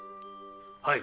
はい。